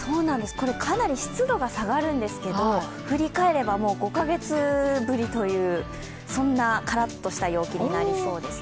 かなり湿度が下がるんですけど振り返れば５か月ぶりというそんなカラッとした陽気となりそうですね。